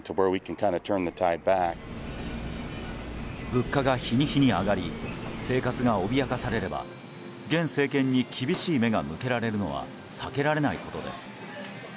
物価が日に日に上がり生活が脅かされれば現政権に厳しい目が向けられるのは避けられないことです。